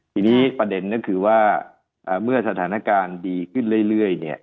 ทีนี้ประเด็นก็คือว่าเมื่อสถานการณ์ดีขึ้นเรื่อยเนี่ย